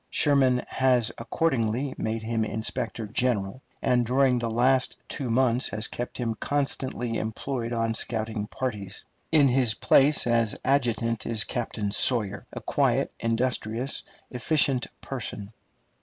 Sherman has accordingly made him inspector general, and during the last two months has kept him constantly employed on scouting parties. In his place as adjutant is Captain Sawyer, a quiet, industrious, efficient person.